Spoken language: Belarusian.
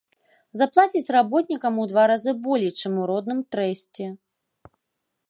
Заплацяць работнікам у два разы болей, чым у родным трэсце.